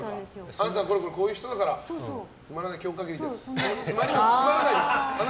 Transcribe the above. あなたはこういう人だからつまらない今日限りですみたいな。